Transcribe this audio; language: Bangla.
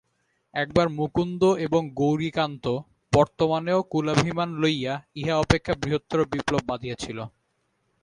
একবার মুকুন্দ এবং গৌরীকান্ত বর্তমানেও কুলাভিমান লইয়া ইহা অপেক্ষা বৃহত্তর বিপ্লব বাধিয়াছিল।